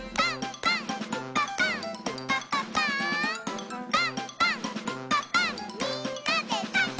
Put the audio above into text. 「パンパンんパパンみんなでパン！」